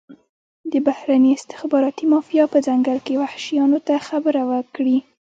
د بهرني استخباراتي مافیا په ځنګل کې وحشیانو ته خبره وکړي.